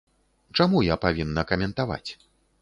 Чаму я павінна каментаваць?